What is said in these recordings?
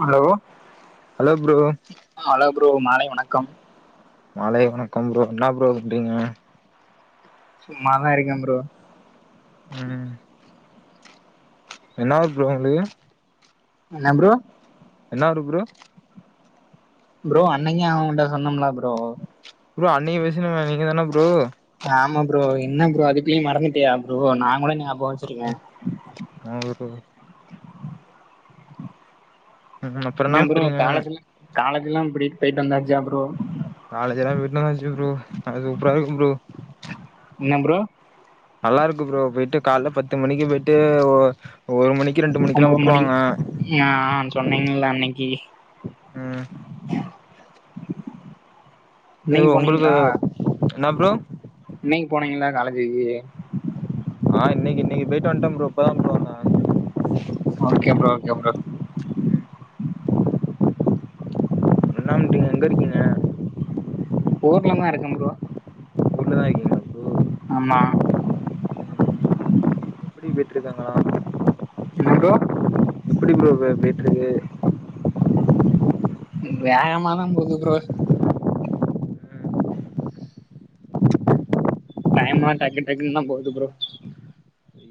Hello hello bro hello bro மாலை வணக்கம் மாலை வணக்கம் ப்ரோ என்ன ப்ரோ பண்றீங்க சும்மாதா இருக்கே ப்ரோ ம் என்ன ஒர்க் ப்ரோ உங்களுக்கு என்ன ப்ரோ என்னா ஊரு ப்ரோ ப்ரோ அன்னைக்கே அவங்கள்ட்ட சொன்னம்ல ப்ரோ ப்ரோ அன்னைக்கி பேசுனமே நீங்க தான ப்ரோ ஆமா ப்ரோ என்ன ப்ரோ அதுக்குல்லயு மறந்துட்டியா ப்ரோ நா கூட ஞா ஆமா என்ன ப்ரோ ம் அப்புற என்ன ப்ரோ பண்றீங்க காலேஜ்ல்லா காலேஜ்ல்லா எப்டி போயிட்டு வந்தாச்சா ப்ரோ காலேஜ் எல்லா போயிட்டு வந்தாச்சி ப்ரோ அது சூப்பரா இருக்கும் ப்ரோ என்ன ப்ரோ நல்லா இருக்கு ப்ரோ போயிட்டு கால்ல பத்து மணிக்கு போயிட்டு ஒ ஒரு மணிக்கு ரெண்டு மணிக்குல்லா ஒம்போது மணி வுட்ருவாங்க ஆ சொன்னீங்கல்ல அன்னிக்கி ம் இது இன்னைக்கு உங்களுக்கு என்ன ப்ரோ இன்னிக்கி போனீங்ளா காலேஜ்க்கு ஆ இன்னிக்கி இன்னிக்கி போயிட்டு வந்ட்டே ப்ரோ இப்பதா ப்ரோ வந்தே ஓகே ப்ரோ ஓகே ப்ரோ என்ன பண்றீங்க எங்க இருக்கீங்க ஊர்ல தா இருக்கே ப்ரோ ஊர்லதா இருக்கீங்களா ப்ரோ ஆமா எப்டி போய்ட்ருக்கு அங்க என்ன ப்ரோ எப்டி ப்ரோ போய் போய்ட்ருக்கு வேகமா தா போது ப்ரோ ம். டைம்மா டக்கு டக்குன்தா போகுது ப்ரோ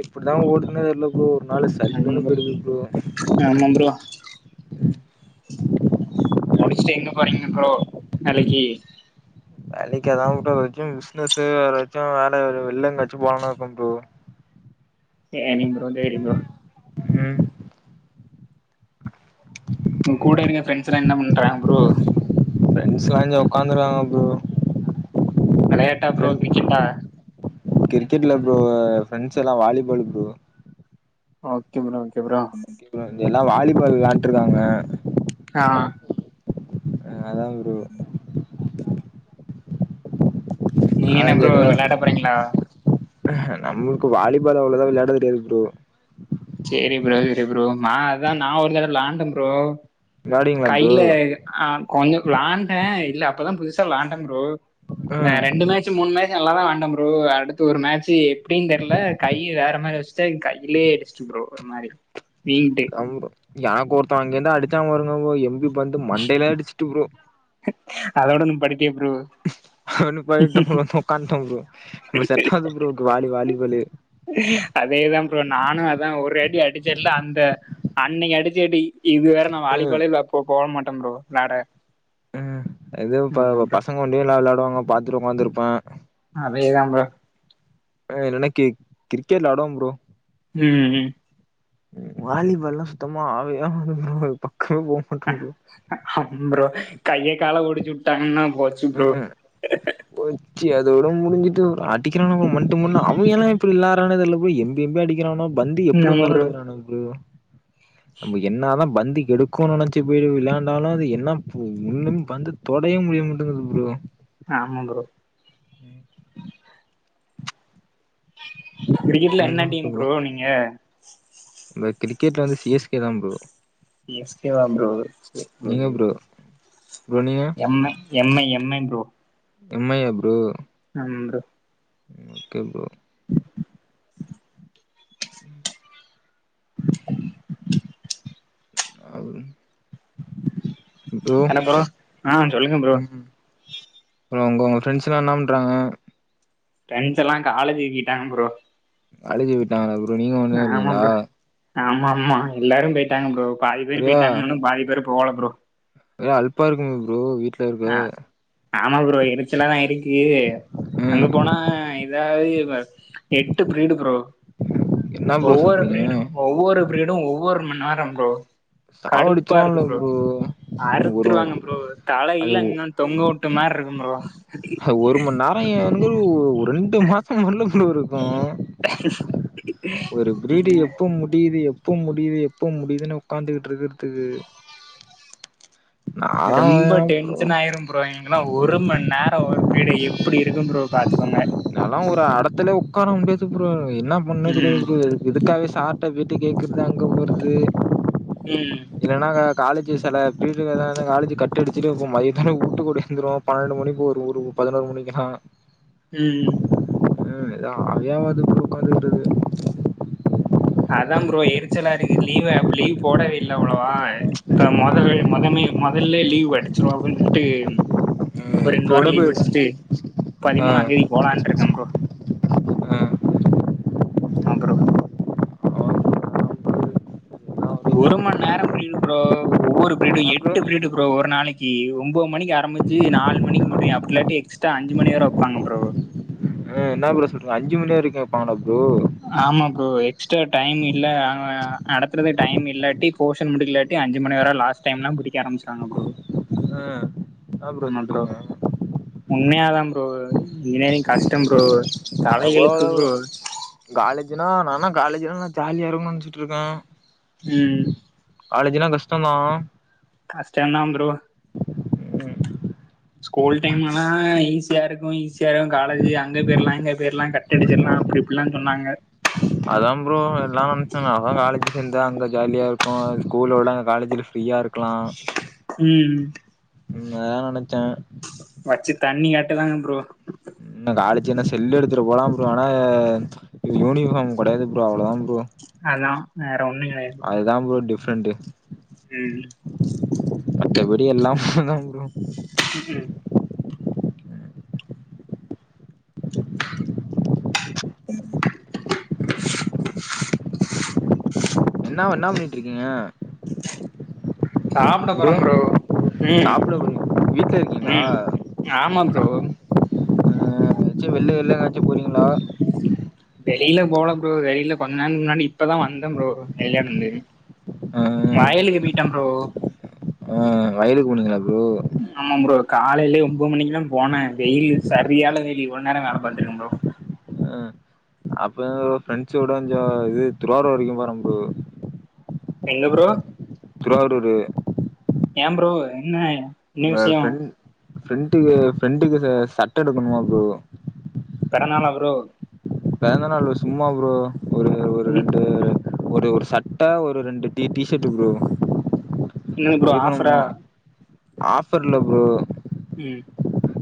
எப்டிதா ஓடுதுன்னே தெரில ப்ரோ ஒரு நாள் சல்லுன்னு போய்ருது ப்ரோ ஆமா ப்ரோ முடிச்சிட்டு எங்க போறீங்க ப்ரோ வேலைக்கி வேலைக்கி அதா ப்ரோ ஏதாச்சு பிசினஸூ வேற ஏதாச்சு வேலை வேற வெளில எங்கயாச்சு போலான்னு இருக்கே ப்ரோ சேரிங்க ப்ரோ சேரி ப்ரோ ம் உங்க கூட இருக்க ஃப்ரெண்ட்ஸ் எல்லா என்ன பண்றாங்க ப்ரோ ஃப்ரெண்ட்ஸ்லா இங்க உக்காந்துருக்காங்க ப்ரோ வெளையாட்டா ப்ரோ கிரிக்கெட்டா கிரிக்கெட் இல்ல ப்ரோ ஃப்ரெண்ட்ஸ் எல்லா volleyball bro okay bro okay bro எல்லா வாலிபால் விளாண்ட்ருக்காங்க ஆ ஆ அதா ப்ரோ நீங்க என்ன ப்ரோ வெள்ளாட போறீங்ளா ஆ ஹா நம்மளுக்கு வாலிபால் அவ்ளோ இதா விளாட தெரியாது ப்ரோ சேரி ப்ரோ சேரி ப்ரோ நா அதா நா ஒரு தடவ விளாண்ட ப்ரோ விளையாடுவீங்களா ப்ரோ? கையில ஆ கொஞ்ச வ்ளாண்டே இல்ல அப்பதா புதுசா வ்ளாண்ட ப்ரோ ஆ ம். ரெண்டு மே ட்ச்சு மூணு மேட்ச் நல்லாதா வ்ளான்ட ப்ரோ அடுத்து ஒரு மேட்சு எப்டின்னு தெரில கை வேற மாரி வெச் டே கையிலே அடிச்சிட்டு ப்ரோ ஒரு மாரி வீங்கிட்டு அம்ப்ரோ எனக்கொர்த அங்கெருந்து அடிச்சா பாருங்க ப்ரோ எம்பி பந்து மண்டைலே அடிச்சுட்டு ப்ரோ அதோட நிப்பாட்டிடியோ ப்ரோ அதோட நிப்பாட்டி ட ப்ரோ உக்காண்ட ப்ரோ நமக்கு செட்டாவாது ப்ரோ க்கு வாலி வாலிபாலு அதேதா ப்ரோ நானு அதா ஒரு அடி அடிச்சேன்ல அந்த அன்னிக்கு அடிச்ச அடி இது வர நா ம் வாலிபாலே விளா போ போவே மாட்டே ப்ரோ விளாட ம் எதுவு ஆமா ப ப்ரோ பசங்க ஒண்டியு எல்லா விளயாடுவாங்க பாத்துட்டு உக்காந்துருப்பே அதேதா ப்ரோ ஹ இல்லனா கி கிரிக்கெட் வ்ளாடுவோ ப்ரோ ம் ம் வாலிபால் லா சுத்தமா ஆவே ஆவாது ப்ரோ அது பக்கமே போமாட்ட ப்ரோ அம் ப்ரோ கைய கால ஒடிச்சுவுட்டாங்கன்னா போச்சு ப்ரோ போச்சி அதோட முடிஞ்சிட்டு அடிக்கிறானுங்க மண்டு மண்ணு அவிய்ங்க எல்லா பில்லாரானே தெர்ல ப்ரோ எம்பி எம்பி அடிக்கிறானுவ பந்து ம் எப்டி ஆமா வந்தாலு ப்ரோ எடுக்குறானுவ ப்ரோ நம்ம என்னாதா பந்து எடுக்கோனு நென்ச்சி போயி விளாண்டாலும் அது என்ன பு ஒன்னும் பந்து தொடய முடிய மாட்டங்குது ப்ரோ ஆமா ப்ரோ கிரிக்கெட்ல என்ன டீம் ப்ரோ நீங்க ப கிரிக்கெட்ல வந்து சி எஸ் கே தா ப்ரோ சி எஸ் கே வா ப்ரோ செரி ப்ரோ செரி ப்ரோ ப்ரோ நீங்க எம்ம M I M I bro M I yeah bro ஆமா ப்ரோ ஓகே ப்ரோ ராகுல் ப்ரோ ஆ சொல்லுங்க ப்ரோ ம் அப்றம் உங்கவுங்க ஃப்ரெண்ஸ்ஸெல்லா ன்னா பண்றாங்க ஃபிரெண்ட்ஸ் எல்லா காலேஜிகி கிட்டாங்க ப்ரோ காலேஜி விட்டாங்களா ப்ரோ நீங்க மட்டுதா ஆமா இருக்கீங்ளா ப்ரோ ஆமா ஆமா எல்லாரு பேயிட்டாங்க ப்ரோ பாதி பேரு ஒரே பேயிட்டானுங்க இன்னு பாதி பேரு போகல ப்ரோ ஒரே அல்பா இருக்குமே ப்ரோ வீட் அ ஆமா ப்ரோ எரிச்சலா தா இருக்கு அங்க ம் போனா இதா அ இ ப எட்டு ப்ரீடு ப்ரோ என்ன ப்ரோ ஒவ்வொரு சொல்றீங்க ப்ரீடு ஒவ்வொரு ப்ரீடு‌ ஒவ்வொரு மண் நேரோ ப்ரோ கடுப்பா சாவடிச்சலாம் இருக்கு இல்ல ப்ரோ ஒரு அறுத்துருவாங்க ப்ரோ தலயி அது தொங்கவுட்ட மார்ருக்கு ப்ரோ அ ஒரு மண் நேரோ எ வந்து ஒ ரெண் டு மாசோ மண்ணு குழு இருக்கு ஒரு பிரீடு எப்போ முடியுது எப் எப்ப முடியுது எப்ப முடியுதுன்னு உக்காந்துகிட்டு ருக்கிறதுக்கு நாலா ரொம்ப [unintelligible] ப்ரோ டென்ஷன் ஆயிரும் ப்ரோ இங்கெல்லா ஒரு மண் நேரோ ஒரு பிரீடு எப்டி இருக்கும் ப்ரோ பாத்துக்கோங்க நாலா ஒரு அடத்துலே உக்கார முடியாது ப்ரோ என்னா பண்ணே தெரியாது ம் ப்ரோ இதுக்காகவே சார்ட்ட பேயிட்டு கேக்றது அங்க போறது ம் இல்லன்னா க காலேஜ் செல பீரீடுகள காலேஜ் கட் அடிச்சிட்டுருப்போ மதியங்கனமே வூட்டுக்கு ஓடி வந்துருவோ பன்னெண்டு மணிக்கு ஒரு ஒரு பதினோரு மணிக்குலா ம் ம் ம் ஏது ஆவே ஆவாது உக்காந்துட்ருக் அதாம் ப்ரோ எரிச்சலா இருக்கு லீவ் அப் லீவ் போடவேல்ல அவ்ளவா த மொதவே ம் மொதமே மொதல்லே லீவ் அடிச்சிருவா அப்டின் சொல்ட்டு ம் ஒ இப்ப ரெண்டு வாரோ கூட லீவ் போய் அடிச்சிட்டு ஆ பதிமூனாந் தேதி போலான்னு இருக்கே ப்ரோ ஆ. மா ப்ரோ [inaudible] ஒரு மண் நேரோ பிரீடு ப்ரோ ஒவ்வொரு பிரீடு ப்ரோ எட்டு பிரீடு ப்ரோ ஒரு நாளைக்கு ஒம்போது மணிக்கு ஆரம்பிச் சி நால் மணிக்கி முடியு அப்டி இல்லாட்டி எக்ஸ்ட்ரா அஞ்சி மணி வர வப்பாங்க ப்ரோ அ என்ன ப்ரோ சொல்ற அஞ்சி மணி வரைக்கு வப்பாங்களா ப்ரோ ஆமா ப்ரோ எக்ஸ்ட்ரா டைம் இல்ல அ நடத்துறத டைம் இல்லாட்டி போர்ஷன் முடிக்கலாட் டி அஞ்சு மணி வர லாஸ்ட் டைம்லா புடிக்க ஆரம்ச்சுட்டாங்க ப்ரோ அ ஆமா ப்ரோ உண்மையாதா ப்ரோ இஞ்ஜினியரிங் கஷ்டம் ப்ரோ அட தலையெழுத்து ப்ரோ [unintelligible] காலேஜ்னா நானா காலேஜ்ன்னா ஜாலியா இருக்குன் நெனச்ட்டுருக்கே ம் காலேஜ்னா கஷ்டந்தா கஷ்டந்தா ப்ரோ ம் ஸ்கூல் டைம் ஆனா ஈஸியா இருக்கு ஈஸியா இருக்கு காலேஜ் அங்க போயர்லா இங்க போயர்லா கட் டடிச்சர்லா அப்டி இப்டிலா சொன்னாங்க அதாம் ப்ரோ எல்லா நெனச்சோங்க அதா காலேஜ் சேர்ந்தா அங்க ஜாலியா இருக்கு ஸ்கூலோட காலேஜ்ல ஃப்ரீயாயிருக்கலா ம் ம் உண்மதா நெனச்சே வச்சு தண்ணி காட்டுதாங்க ப்ரோ என்னா காலேஜ்ன்னா செல்லு எடுத்துட்டு போலாம் ப்ரோ ஆனா யூனிஃபார்ம் கெடையாது ப்ரோ அவ்ளோதா ப்ரோ அதா வேற ஒன்னு கெடையாது அதுதா ப்ரோ டிஃப்ரண்ட்டு ம் மத்தபடி எல்லா [unintelligible] ப்ரோ ம் ம் [inaudible] என்னா என்னா பண்ணிட்டுருக்கீங்க சாப்ட போறம் ப்ரோ ம் சாப்ட போறிங் வீட்ல இருக்கீங்ளா ம் ஆமா என்ன ப்ரோ சாப் ஆ ச்சு வெள்ள வெள்ள எங்காச்சு போறீங்ளா வெளில போல ப்ரோ வெளில கொஞ்ச நேரொ முன்னாடி இப்பதா வந்தெ ப்ரோ வெளியானந்து ஆ வயலுக்கு பேய்ட்டம் ப்ரோ. அ வயலுக் போனிங்களா ப்ரோ? ம் ஆமாம் ப்ரோ காலைலியே ஒம்போது மணிக்கிலாம் போனே வெயிலு சரியால வெயிலு இவ்ள் நேரோ வேல பாத்துருக்க ப்ரோ. அ அப்பதா ப்ரோ ஃப்ரெண்ட்ஸோட கொஞ்சோ இது திருவாரூர் வரைக்கும் போற ப்ரோ. எங்க ப்ரோ? திருவாடூரு. ஏ ப்ரோ என்ன? அங்க விஷயோ ஃப்ரெண் ஃப்ரெண்ட்டுக்கு ஃப்ரெண்டுக்கு ச சட்ட எடுக்கணுமா ப்ரோ. பெறநாளா ப்ரோ? பெறந்தநாள் ல்ல சும்மா ப்ரோ ஒரு ஒரு ம் ரெண்டு ரெ ஒரு ஒரு சட்ட ஒரு ரெண்டு டீ டீ ஷெர்ட்டு ப்ரோ என்னது ப்ரோ எடுக்கலான் ஆஃபரா போணோ. ஆஃபர் இல்ல ப்ரோ. ம்.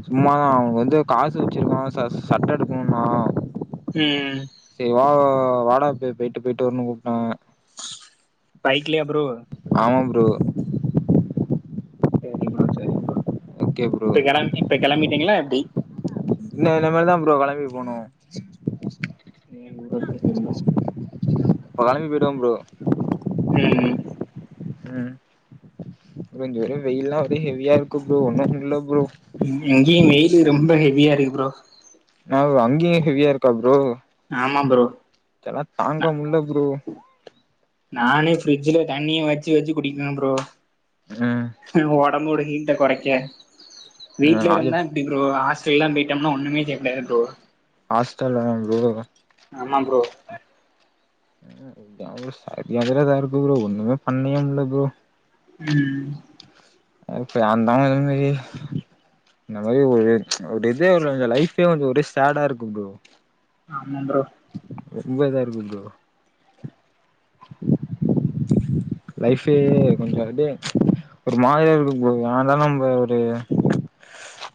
சும்மாதா அவுனுக்கு வந்து காசு வெச்சிருக்கானா ச சட்ட எடுக்குணுன்னா ம் ம். சேரி வா வாடா போய் போயிட்டு போயிட்டு வர்ணு கூப்ட்டே. பைக்லியா ப்ரோ? ஆமாம் ப்ரோ. சேரி ப்ரோ செரி ப்ரோ. ஓகே ப்ரோ இப்ப கெளம் இப்ப கெளம்பிட்டீங்களா எப்டி? இல்ல இன்னமேல்தா ப்ரோ கெளம்பி போணு. சேரி ப்ரோ சேரி ப்ரோ. இப்ப கெளம்பி போய்டுவ ப்ரோ. ம் ம். அ ப்ரோ இங்க ஒரே வெயில்லா ஒரே ஹெவியா இருக்கு ப்ரோ ஒன்னு முட்ல ப்ரோ. ம் இங்கியு வெயிலு ரொம்ப ஹெவியா இருகு ப்ரோ. நவ் அங்கியு ஹெவியா இருக்கா ப்ரோ ஆமா ப்ரோ இதல்லா தாங்க முல்ல ப்ரோ. நானே ஃபிரிட்ஜ்ல தண்ணிய வெச்சு வெச்சு குடிப்பே ப்ரோ. ம் ஒடம்போட ஹீட்ட கொறைக்க. வீட்ல ராஜ இருந்தா ப்டி ப்ரோ ஹாஸ்டல்லா போய்ட்டம்னா ஒன்னுமே செய்ய முடியாது ப்ரோ. ஹாஸ்டல்லாயா ப்ரோ? ஆமா ப்ரோ. ம் [unintelligible] இதாருக்கு ப்ரோ ஒன்னுமே பண்ணியே முல்ல ப்ரோ. ம். அது இப்ப ஏந்தா [unintelligible] வெயிலு. இந்த மாரி ஒருத் ஒரு இதே ஒரு இந்த லைஃபே வந்து ஒரே சேடா இருக்கு ப்ரோ. ஆமா ப்ரோ. ரொம்ப இதாருக்கு ப்ரோ. லைஃபே கொஞ்சோ ஒரு அப்டியே ஒரு மாதிரியா இருக்குது ப்ரோ ஏண்டா நம்ப ஒரு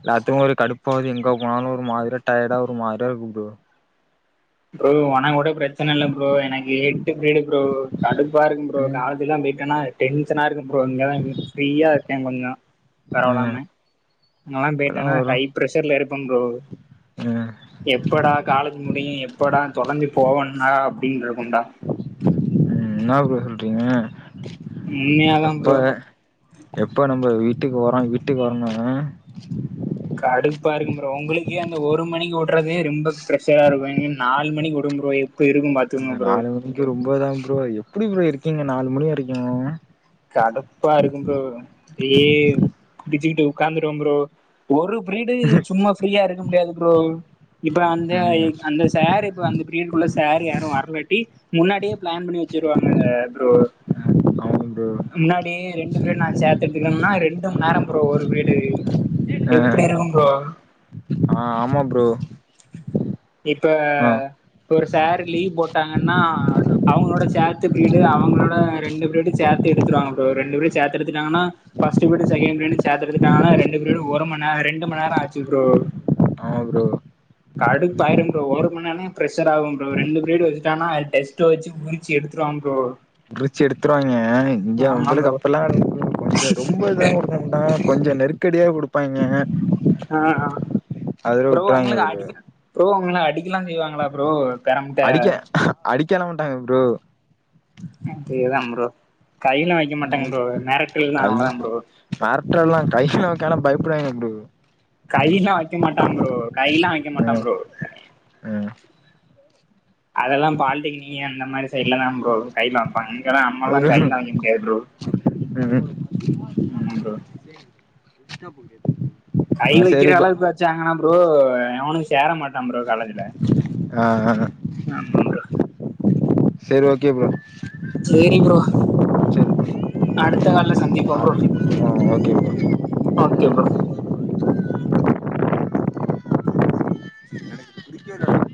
எல்லாத்துக்கு ஒரே கடுப்பாவுது எங்க போனாலு ஒரு மாதிரியா டயடா ஒரு மாதிரியா இருக்கு ப்ரோ. ப்ரோ ஒனகு கோட பிரச்சன இல்ல ப்ரோ எனக்கு எட்டு பிரீடு ப்ரோ. கடுப்பா இருக்கும் ப்ரோ ம் காலேஜ் எல்லா போய்ட்டனா டென்ஷனா இருக்கு ப்ரோ இங்கதா [unintelligible] ஃப்ரீயாருக்கே கொஞ்சோ. ம் பரவால்லாம அங்கல்லா இப்பல்லா போய்ட்டனா வரு ஹை பிரஷர்ல இருப்பம் ப்ரோ. ம் எப்படா காலேஜ் முடியு எப்படா தொலைஞ்சு போவன்னா அப்டின் இருக்குன்டா. ம் என்னா ப்ரோ சொல்றீங்க உண்மையாதா அப்ப ப்ரோ எப்போ நம்ம வீட்டுக்கு வரோ வீட்டுக்கு வரன்னாங்க கடுப்பா இருக்கும் ப்ரோ ஒங்களுக்கே அங்க ஒரு மணிக்கு வுட்றதே ரெம்ப ப்ரெஷரா இருக்கு இங்க நாலு மணிக்கு வுடும்ப்ரோ இப் இங்க நாலு மணிக்கு ரொம்பதா ப்ரோ எப்டி ப்ரோ இருக்கீங்க நாலு மணி வரைக்கு கடுப்பா இருக்கும் ப்ரோ எ புடுச்சுகிட்டு உக்காந்துருவேம் ப்ரோ ஒரு ப்ரீடு சும்மா ஃப்ரீயா இருக்க முடியாது ப்ரோ இப்ப அந்த ம் எக் அந்த சாரு இப்ப அந்த பிரீயடுகுள்ளச் சார் யாரு வர்லாட்டி முன்னாடியேப் பிளான் பண்ணி வச்சுருவாங்க ப்ரோ [unintelligible] முன்னாடியே ரெண்டு பீரியட் நா சேத்து எடுத்துகிரன்னா ரெண்டு மண் நேரம் ப்ரோ ஒரு பீரியடு அ எப்படி இருக்கும் ப்ரோ ஆமா ப்ரோ இப்ப ஆ ஒரு சாரு லீவு போட்டாங்கன்னா அவுங்ளோட சேத்து பிரீடு அவங்ளோட ரெண்டு ப்ரீடு சேத்து எடுத்துருவாங்க ப்ரோ ரெண்டு பேரு சேத்து எடுத்துட்டாங்கனா ஃபஸ்ட்டு பிரீடு செகண்ட் பிரீடு சேத்து எடுத்துட்டாங்கனா ரெண்டு ப்ரீடு ஒரு மண் நே ரெண்டு மண் நேரோ ஆச்சு ப்ரோ ம் கடுப் பாயிரும் ப்ரோ ஒரு மண் நேனே பிரஷராகும் ப்ரோ ரெண்டு பிரீடு வச்சுட்டானா டெஸ்ட்டு வச்சி வுரிச்சி எடுத்துருவாம் ப்ரோ உருச்சி எடுத்துருவாய்ங்க இங்க ஆமா அவ்ளக்கு ப்ரோ அப்பலா [unintelligible] கொஞ்சோ ரொம்ப இதாங் குடுக்க மாட்டாங்க கொஞ்சோ நெருக்கடியா குடுப் ப்பாய்ங்கங்க ஆ அதுல ப்ரோ வுட்றாய்ங்க உங்களுக்கு ப்ரோ அடிக்க ப்ரோ உங்ள அடிக்கலாஞ் செய்வாங்களா ப்ரோ பெறம்த்தே அடிக்கலாம் மாட்டாங்க ப்ரோ அப்பியேதாம் ப்ரோ கைலா வெக்க மாட்டாங்க ப்ரோ மெரட்டல்தா அவ்ளதாம் ப்ரோ மெரட்ரல்லாங் கைலா வெக்கலாப் பயப்டுவாய்ங்க ப்ரோ கைலா வக்க மாட்டாம் ப்ரோ கைலா வக்க மாட்டாம் ம் ப்ரோ ம் அதல்லாம் பால்டெக்னிகு அந்த மாரி சைட்லதாம் ப்ரோ கைலா வப்பாங்க இங்கதா ஒரு நம்மலாங் கைலா வக்க முடியாது ப்ரோ ஆமாம் ப்ரோ ம் கை ஆ வைக்கிற சேரி ப்ரோ அளவுக்கு வச்சாங்கனா ப்ரோ எவனு சேர மாட் னம் ப்ரோ காலேஜ்ல ஆமாம் ப்ரோ செரி ஓகே ப்ரோ சேரி ப்ரோ சேரி அடுத்த கால்ல சந்திப்போம் ப்ரோ ஆ ஓகே ப்ரோ ஓகே ப்ரோ [unintelligible]